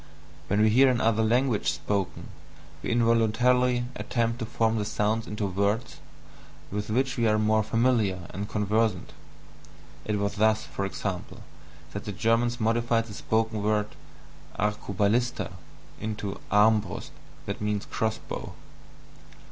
When we hear another language spoken, we involuntarily attempt to form the sounds into words with which we are more familiar and conversant it was thus, for example, that the Germans modified the spoken word ARCUBALISTA into ARMBRUST (cross bow).